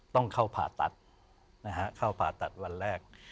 ต้องเข้าผ่าตัดนะฮะเข้าผ่าตัดวันแรก